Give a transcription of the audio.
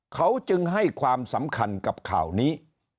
เขาจึงให้ความสำคัญกับข่าวนี้